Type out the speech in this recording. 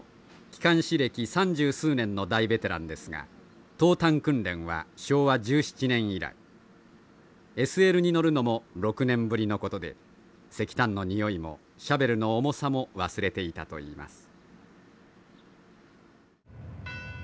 機関士歴三十数年の大ベテランですが投炭訓練は昭和１７年以来ＳＬに乗るのも６年ぶりのことで石炭のにおいもシャベルの重さも忘れていたといいます。